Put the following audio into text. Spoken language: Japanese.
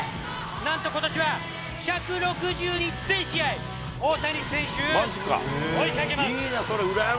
なんとことしは１６２全試合、大谷選手、追いかけます。